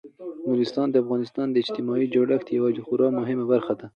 نورستان د افغانستان د اجتماعي جوړښت یوه خورا مهمه برخه ده.